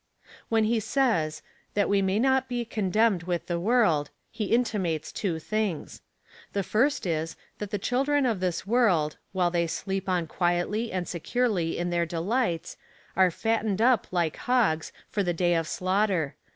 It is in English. When he says — that we may not he condemned with the world, he intimates two things. The first is, that the children of this world, while they sleep on quietly and securely in their delights,^ are fattened up, like hogs, for the day of slaughter.